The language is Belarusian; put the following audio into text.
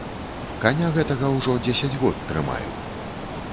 Каня гэтага ўжо дзесяць год трымаю.